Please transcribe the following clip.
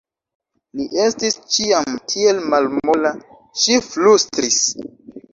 Li estis ĉiam tiel malmola, ŝi flustris.